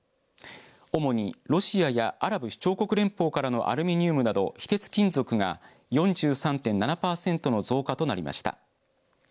主にロシアやアラブ首長国連邦からのアルミニウムなど非鉄金属が４３．７パーセントの増加となりました。